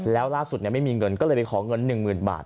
แล้วล่าสุดไม่มีเงินก็เลยไปขอเงิน๑๐๐๐บาท